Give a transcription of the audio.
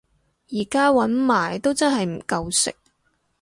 而家搵埋都真係唔夠食